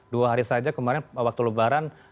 dua hari saja kemarin waktu lebaran